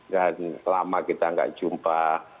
dan lama kita gak jumpa